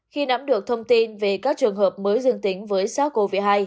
khi nắm được thông tin về các trường hợp mới dương tính với sars cov hai